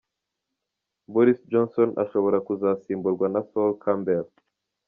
Boris Johnson ashobora kuzasimburwa na Sol Campbell.